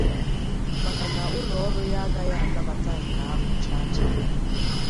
maka na ụlọọrụ ya agaghị anabata nke ahụ chaa chaa.